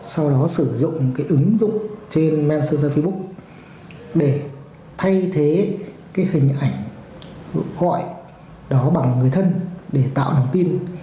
sau đó sử dụng cái ứng dụng trên messe facebook để thay thế cái hình ảnh gọi đó bằng người thân để tạo lòng tin